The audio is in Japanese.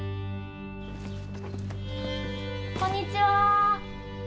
こんにちは。